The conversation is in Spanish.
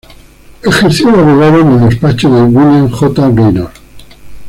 Ejerció de abogado en el despacho de William J. Gaynor.